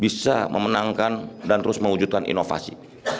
bisa memenangkan dan terus mewujudkan inovasi